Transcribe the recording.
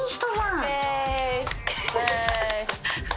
え！